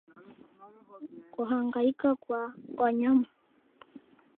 Kuhangaika kwa wanyama